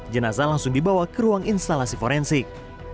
jenazah langsung dibawa ke ruang instalasi forensik